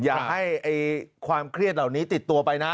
อย่าให้ความเครียดเหล่านี้ติดตัวไปนะ